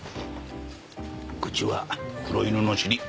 愚痴は黒犬の尻。